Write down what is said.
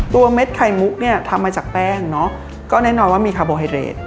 เม็ดไข่มุกเนี่ยทำมาจากแป้งเนอะก็แน่นอนว่ามีคาร์โบไฮเรด